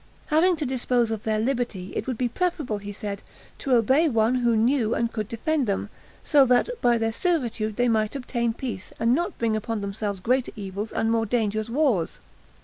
Having to dispose of their liberty, it would be preferable, he said, to obey one who knew and could defend them; so that, by their servitude they might obtain peace, and not bring upon themselves greater evils and more dangerous wars.